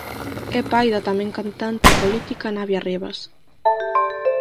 É pai da tamén cantante e política Navia Rivas.